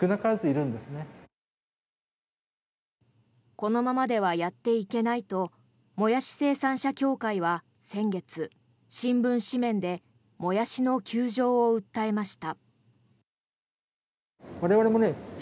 このままではやっていけないとモヤシ生産者協会は先月、新聞紙面でモヤシの窮状を訴えました。